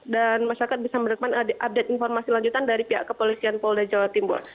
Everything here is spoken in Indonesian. dan masyarakat bisa mendekatkan informasi lanjutan dari pihak kepolisian pola jawa timur